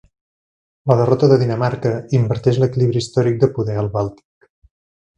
La derrota de Dinamarca inverteix l'equilibri històric de poder al Bàltic.